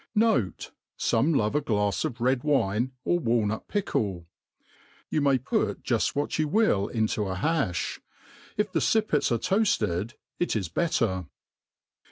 Note, fome love a glafs of, red wine, or walnut pickle. You may put jufl what you will into a hafh. If the fippets are toafled it is better.